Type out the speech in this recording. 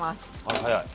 あら早い。